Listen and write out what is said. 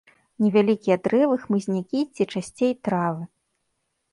Невялікія дрэвы, хмызнякі ці часцей травы.